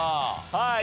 はい。